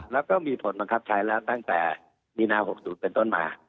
แล้วก็มีผลบังคับใช้แล้วตั้งแต่มีนา๖๐เป็นต้นมา